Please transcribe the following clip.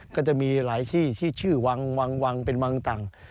ก็จะมีหลายชื่อชื่อวังวังวังเป็นวังต่าง